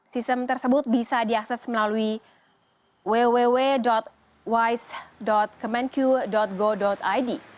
sistem tersebut bisa diakses melalui www wise commentq gov id